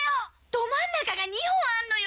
「ど真ん中が２本あんのよ」